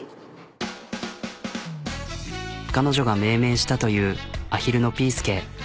彼女が命名したというあひるのピーすけ。